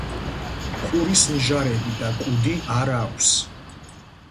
ყურის ნიჟარები და კუდი არ აქვს.